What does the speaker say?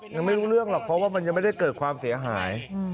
ยังไม่รู้เรื่องหรอกเพราะว่ามันยังไม่ได้เกิดความเสียหาย